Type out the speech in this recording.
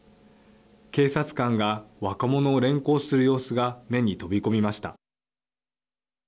警察官が若者を連行する様子が目に飛び込みました。